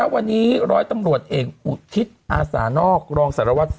บอกวันทองที่ร้อง